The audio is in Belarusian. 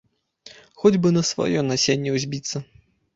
Хоць бы на сваё насенне ўзбіцца.